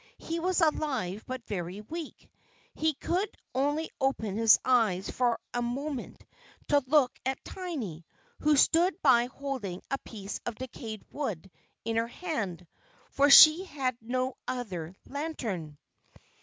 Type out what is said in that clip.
He was alive but very weak. He could only open his eyes for a moment to look at Tiny, who stood by holding a piece of decayed wood in her hand, for she had no other lantern.